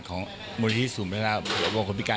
ของมหาวงคลพิการ